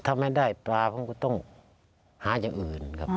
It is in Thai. ถ้าไม่ได้ปลาผมก็ต้องหาอย่างอื่นครับ